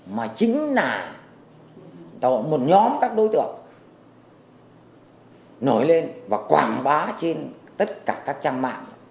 mà chính là một nhóm các đối tượng nổi lên và quảng bá trên tất cả các trang mạng